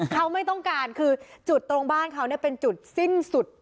เขาไม่ต้องการคือจุดตรงบ้านเขาเป็นจุดสิ้นสุด